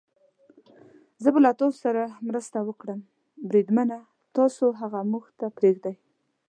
زه به له تاسو سره مرسته وکړم، بریدمنه، تاسې هغه موږ ته پرېږدئ.